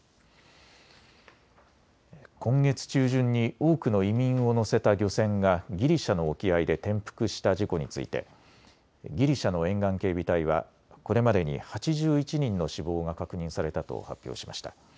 今月中旬に多くの移民を乗せた漁船がギリシャの沖合で転覆した事故についてギリシャの沿岸警備隊はこれまでに８１人の死亡が確認されたと発表しました。